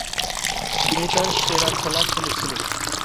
তিনি তার সেরা খেলা খেলেছিলেন।